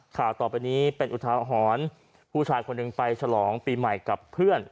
ข่าวต่อไปนี้เป็นอุทาหรณ์ผู้ชายคนหนึ่งไปฉลองปีใหม่กับเพื่อน